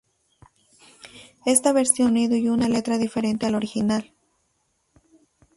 Esta versión tiene un sonido y una letra diferentes al original.